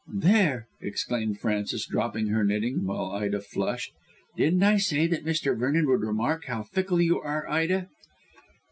"There!" exclaimed Frances, dropping her knitting, while Ida flushed. "Didn't I say that Mr. Vernon would remark how fickle you are, Ida?"